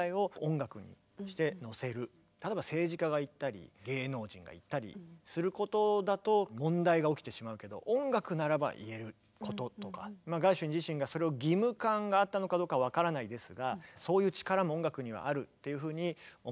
例えば政治家が言ったり芸能人が言ったりすることだと問題が起きてしまうけどガーシュウィン自身がそれを義務感があったのかどうか分からないですがそういう力も音楽にはあるっていうふうに思ったんじゃないかなと。